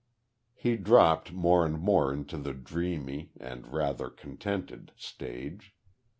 He dropped more and more into the dreamy and rather contented stage.